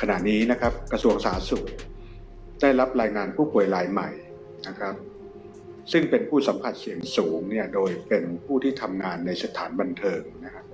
ขณะนี้นะครับกระทรวงสาธารณสุขได้รับรายงานผู้ป่วยลายใหม่ซึ่งเป็นผู้สัมผัสเสี่ยงสูงโดยเป็นผู้ที่ทำงานในสถานบันเทิง